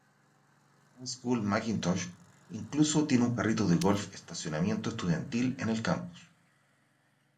High School McIntosh incluso tiene un carrito de golf estacionamiento estudiantil en el campus.